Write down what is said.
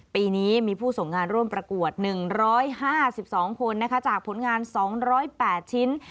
ปีนี้มีผู้ส่งงานร่วมประกวด๑๕๒คนจากผลงาน๒๐๘ชิ้น